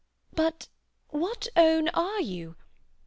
But what own are you?